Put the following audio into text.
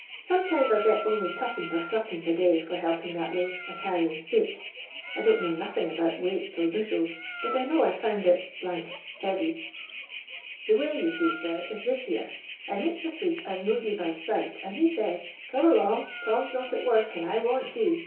Sometimes 111 get only 2<i. or 8<l. a day for helping that way, a canying soot I don't know nothing about weights or bushels, but I know I've found it heavy. " The way, you see, sir, is this hero : I meets a sweep as knows me by sight, and he says^ ' Come along, Tom 's not at work, and I want you.